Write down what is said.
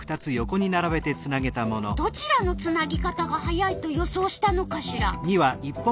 どちらのつなぎ方が速いと予想したのかしら。